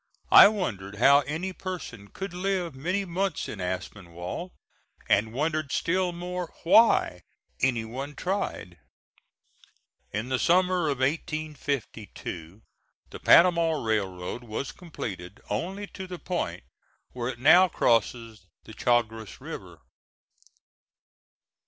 I wondered how any person could live many months in Aspinwall, and wondered still more why any one tried. In the summer of 1852 the Panama railroad was completed only to the point where it now crosses the Chagres River.